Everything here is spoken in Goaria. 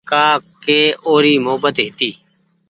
ڪآ ڪي اوري محبت هيتي